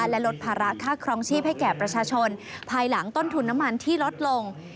และลดภาระค่าครองชีพให้แก่ประชาชนภายหลังต้นทุนน้ำมันที่ลดลง